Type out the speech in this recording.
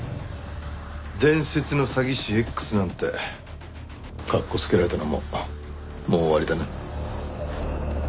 伝説の詐欺師Ｘなんて格好つけられたのももう終わりだな。